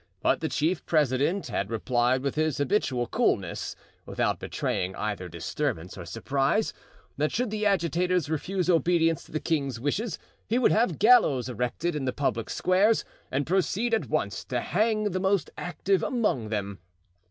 But the chief president had replied with his habitual coolness, without betraying either disturbance or surprise, that should the agitators refuse obedience to the king's wishes he would have gallows erected in the public squares and proceed at once to hang the most active among them.